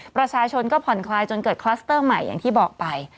ประชาชนก็ผ่อนคลายจนเกิดคลัสเตอร์ใหม่อย่างที่บอกไป